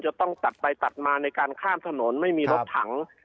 จะต้องตัดไปตัดมาในการข้ามถนนไม่มีรถถัง